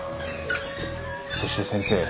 そして先生